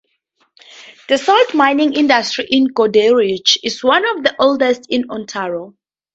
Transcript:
The salt mining industry in Goderich is one of the oldest in Ontario.